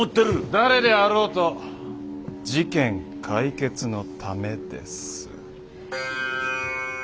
誰であろうと事件解決のためです。